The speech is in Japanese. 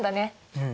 うん。